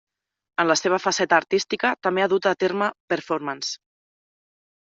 En la seva faceta artística també ha dut a terme performances.